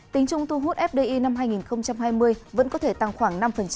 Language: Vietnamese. tính chung thu hút fdi năm hai nghìn hai mươi vẫn có thể tăng khoảng năm